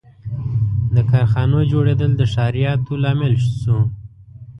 • د کارخانو جوړېدل د ښاریاتو لامل شو.